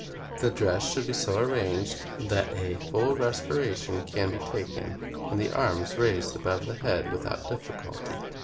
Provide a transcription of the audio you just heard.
The dress should be so arranged that a full respiration can be taken, and the arms be raised above the head without difficulty.